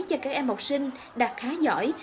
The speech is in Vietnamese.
cho các em học sinh đạt khá giỏi